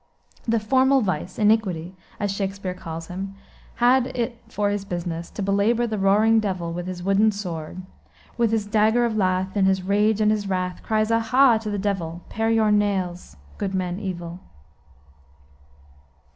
The "formal Vice, Iniquity," as Shakspere calls him, had it for his business to belabor the roaring Devil with his wooden sword .. "with his dagger of lath In his rage and his wrath Cries 'Aha!' to the Devil, 'Pare your nails, Goodman Evil!'"